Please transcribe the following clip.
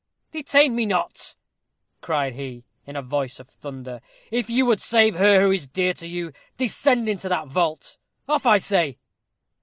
"Detain me not," cried he, in a voice of thunder. "If you would save her who is dear to you, descend into that vault. Off, I say."